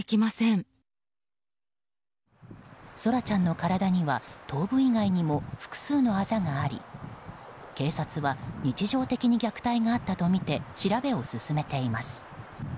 空来ちゃんの体には頭部以外にも複数のあざがあり警察は日常的に虐待があったとみて調べを進めています。